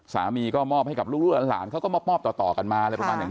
สามีก็มอบให้กับลูกล้านเขาก็มอบต่อกันมา